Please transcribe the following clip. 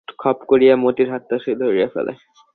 খপ করিয়া মতির হাতটা সে ধরিয়া ফেলে।